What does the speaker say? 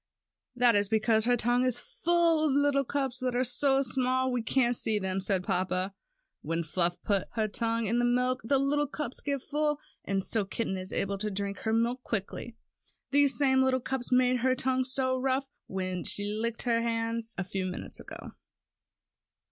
"That is because her tongue is full of little cups, that are so small we can't see them," said papa. "When Fluff puts her tongue in the milk, the little cups get full, and so kitty is able to drink her milk quickly. These same little cups made her tongue so rough, when she licked your hand a few minutes ago."